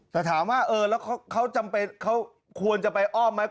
แต่ถามว่าเออแล้วเขาจำเป็นเขาควรจะไปอ้อมไหม